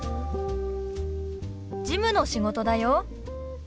事務の仕事だよ。